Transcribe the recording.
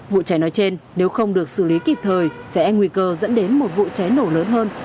vụ cháy nói trên nếu không được xử lý kịp thời sẽ nguy cơ dẫn đến một vụ cháy nổ lớn hơn